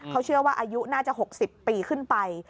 เขาเชื่อว่าอายุน่าจะ๖๐ปีขึ้นไป